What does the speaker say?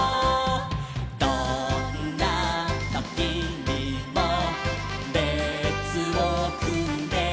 「どんなときにもれつをくんで」